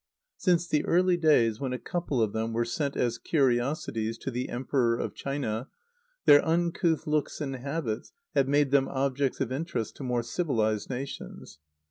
Since the early days when a couple of them were sent as curiosities to the Emperor of China their uncouth looks and habits have made them objects of interest to more civilised nations.